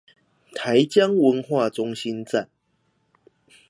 台江文化中心站